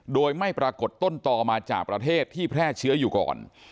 โดยไม่ปรากฏต้นต่อมาจากประเทศที่แพร่เชื้ออยู่ก่อน